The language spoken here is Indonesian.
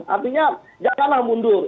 artinya janganlah mundur